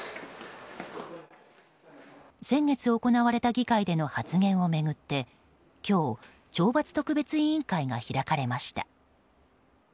先月行われた議会での発言を巡って今日、懲罰特別委員会が開かれました。